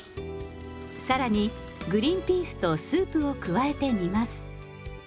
更にグリンピースとスープを加えて煮ます。